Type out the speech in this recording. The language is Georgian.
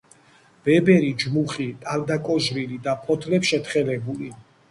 ბებერი ჯმუხი ტანდაკოჟრილი და ფოთლებ შეთხელებული.